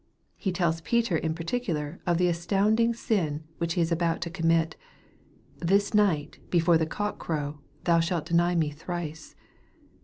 He tells Peter in particular of the astounding sin which he was about to commit :" This night, before the cock crow, thou shalt deny me thrice."